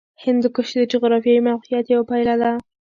هندوکش د جغرافیایي موقیعت یوه پایله ده.